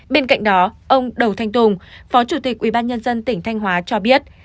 bên cạnh đó ông đầu thanh tùng phó chủ tịch ubnd tỉnh thanh hóa cho biết